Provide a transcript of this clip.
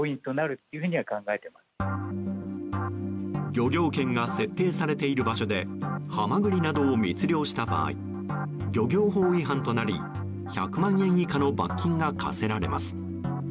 漁業権が設定されている場所でハマグリなどを密漁した場合漁業法違反となり１００万円以下の罰金が科せられます。